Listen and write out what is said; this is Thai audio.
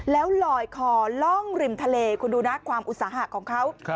แล้วลอยคอล่องริมทะเลคุณดูนะความอุตสาหะของเขา